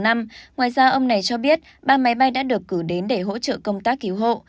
ngoài ra ông này cho biết ba máy bay đã được cử đến để hỗ trợ công tác cứu hộ